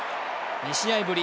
２試合ぶり